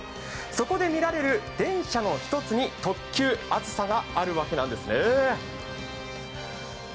そこで見られる電車の１つに、特急あずさがあるわけなんですね。